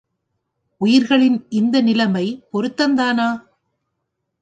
உயிர்களின் இந்த நிலைமை பொருத்தம்தானா?